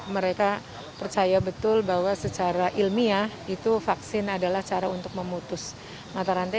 mereka percaya betul bahwa secara ilmiah itu vaksin adalah cara untuk memutus mata rantai